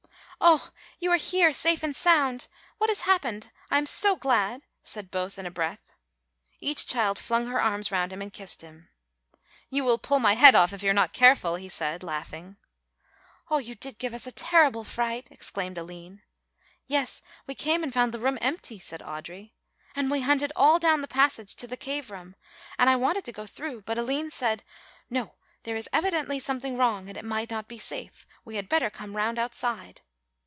"Oh, you are here safe and sound; what has happened? I am so glad," said both in a breath. Each child flung her arms round him and kissed him. "You will pull my head off if you are not careful," he said, laughing. "Oh, you did give us a terrible fright," exclaimed Aline. "Yes, we came and found the room empty," said Audry, "and we hunted all down the passage to the cave room; and I wanted to go through, but Aline said, 'No, there is evidently something wrong and it might not be safe, we had better come round outside.